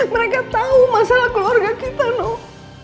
mereka tahu masalah keluarga kita loh